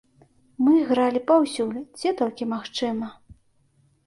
Мы гралі паўсюль, дзе толькі магчыма.